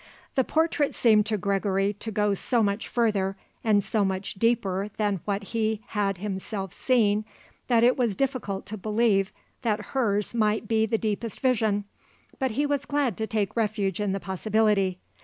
The portrait seemed to Gregory to go so much further and so much deeper than what he had himself seen that it was difficult to believe that hers might be the deepest vision, but he was glad to take refuge in the possibility.